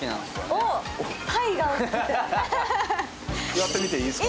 やってみていいですか？